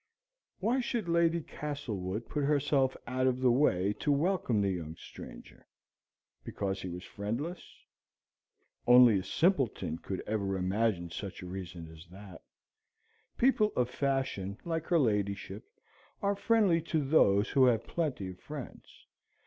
Why should Lady Castlewood put herself out of the way to welcome the young stranger? Because he was friendless? Only a simpleton could ever imagine such a reason as that. People of fashion, like her ladyship, are friendly to those who have plenty of friends.